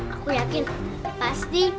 aku yakin pasti